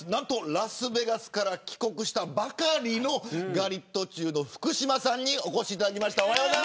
ラスベガスから帰国したばかりのガリットチュウの福島さんにお越しいただきました。